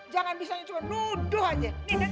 jangan misalnya cuma nuduh aja